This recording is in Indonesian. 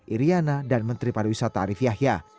iryana dan menteri pariwisata arief yahya